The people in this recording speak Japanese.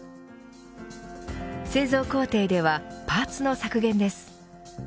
製造工程ではパーツの削減です。